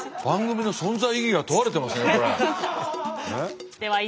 番組の存在意義が問われてますね